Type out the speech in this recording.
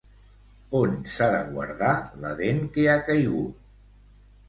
On s'ha de guardar la dent que ha caigut?